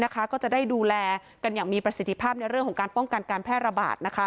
ก็จะได้ดูแลกันอย่างมีประสิทธิภาพในเรื่องของการป้องกันการแพร่ระบาด